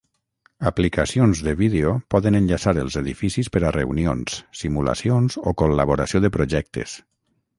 Aplicacions de vídeo poden enllaçar els edificis per a reunions, simulacions o col·laboració de projectes.